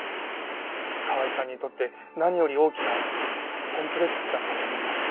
川井さんにとって何より大きなコンプレックスだったと思います。